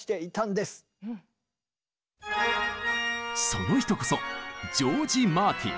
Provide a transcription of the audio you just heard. その人こそジョージ・マーティン。